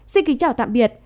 xin kính chào tạm biệt